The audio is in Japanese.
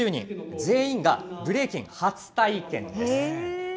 全員がブレイキン初体験です。